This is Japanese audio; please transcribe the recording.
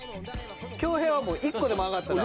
恭平はもう１個でも上がったら。